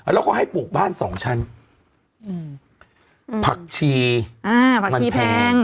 แล้วก็ให้ปลูกบ้านสองชั้นอืมผักชีอ่าผักชีแพง